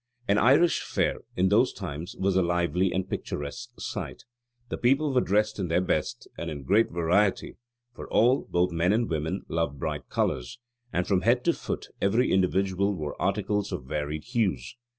An Irish fair in those times was a lively and picturesque sight. The people were dressed in their best, and in great variety, for all, both men and women, loved bright colours; and from head to foot every individual wore articles of varied hues.